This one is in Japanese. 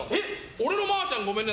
俺のマーちゃんごめんね